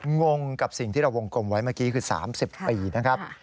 งงกับสิ่งที่เราวงกลมไว้เมื่อกี้คือ๓๐ปีนะครับ